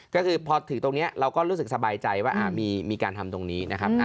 ก็คือพอถึงตรงนี้เราก็รู้สึกสบายใจว่ามีการทำตรงนี้นะครับ